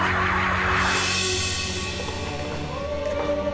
tuhan kita bisa terus bekerja